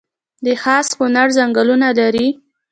د خاص کونړ ځنګلونه لري